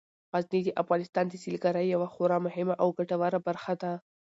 غزني د افغانستان د سیلګرۍ یوه خورا مهمه او ګټوره برخه ده.